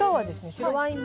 白ワイン